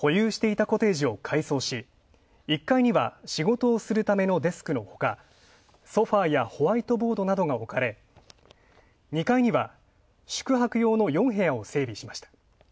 保有していたコテージを改装しデスクのほか、ソファやホワイトボードなどが置かれ２階には宿泊用の４部屋を整備しました。